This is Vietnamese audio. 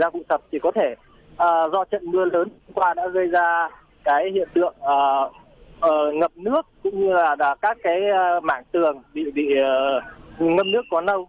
vụ sập thì có thể do trận mưa lớn hôm qua đã gây ra cái hiện tượng ngập nước cũng như là các cái mảng tường bị ngâm nước có nâu